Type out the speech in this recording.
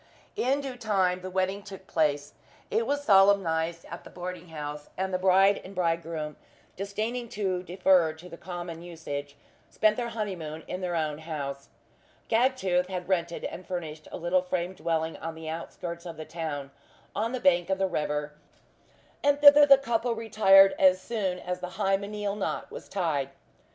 In due time the wedding took place. It was solemnized at the boarding house; and the bride and bridegroom disdaining to defer to the common usage, spent their honeymoon in their own house. Gagtooth had rented and furnished a little frame dwelling on the outskirts of the town, on the bank of the river; and thither the couple retired as soon as the hymeneal knot was tied.